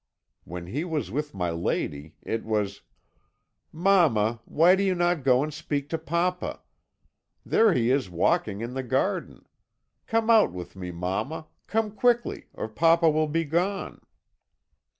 When he was with my lady, it was: "'Mamma, why do you not go and speak to papa? There he is walking in the garden. Come out with me, mamma come quickly, or papa will be gone.'